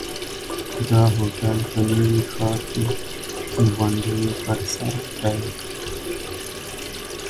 دا هوټل په نوي ښار کې د غونډیو پر سر دی.